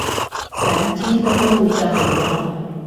南京東路交流道